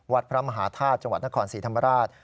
วัดพระมหาธาตุจังหวัดนครศรีธรรมราช